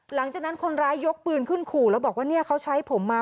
หลังจากนั้นคนร้ายยกปืนขึ้นขู่แล้วบอกว่าเนี่ยเขาใช้ผมมา